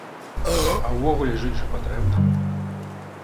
А ўвогуле жыць жа патрэбна.